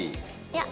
いや。